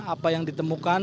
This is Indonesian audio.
apa yang ditemukan